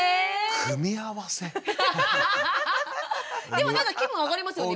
でもなんか気分上がりますよね。